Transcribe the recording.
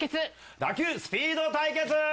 打球スピード対決！